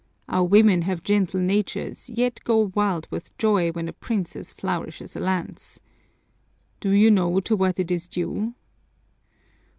Our women have gentle natures yet go wild with joy when a princess flourishes a lance. Do you know to what it is due?